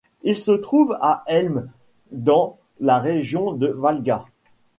Il se trouve à Helme dans la région de Valga.